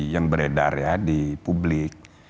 yang beredar ya di publik